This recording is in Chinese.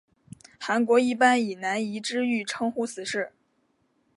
韩国一般以南怡之狱称呼此事。